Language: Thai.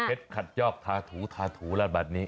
ขัดยอกทาถูทาถูแล้วแบบนี้